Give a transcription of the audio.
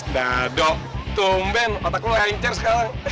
dadah tumben otak lu hancur sekarang